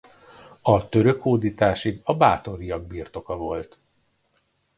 A török hódításig a Báthoriak birtoka volt.